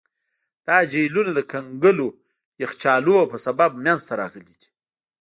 دا جهیلونه د کنګلونو یخچالونو په سبب منځته راغلي دي.